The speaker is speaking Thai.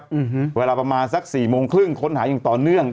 อืมเวลาประมาณสักสี่โมงครึ่งค้นหาอย่างต่อเนื่อง